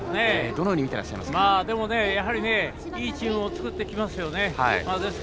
どのようにやはりいいチームを作っていきますよね。